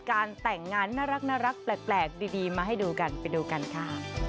การแต่งงานน่ารักแปลกดีมาให้ดูกันไปดูกันค่ะ